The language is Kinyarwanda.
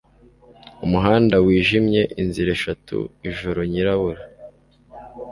umuhanda wijimye! inzira eshatu! ijoro ryirabura